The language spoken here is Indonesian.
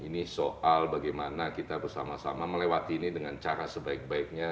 ini soal bagaimana kita bersama sama melewati ini dengan cara sebaik baiknya